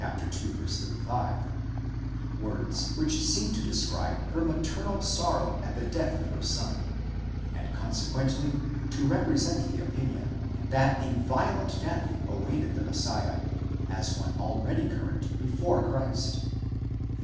35) ; words which seem to describe her maternal sorrow at the death of her son, and consequently to represent the opinion, that a violent death awaited the Messiah, as one already current before Christ.